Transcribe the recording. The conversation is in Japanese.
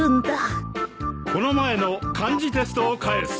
この前の漢字テストを返す。